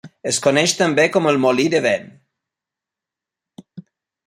Es coneix també com el Molí de Vent.